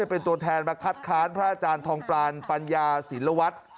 เป็นตัวแทนมาคัดค้านพระอาจารย์ทองปลานปัญญาศิลวัฒน์